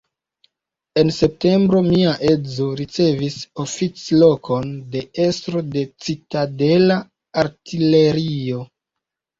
En septembro mia edzo ricevis oficlokon de estro de citadela artilerio.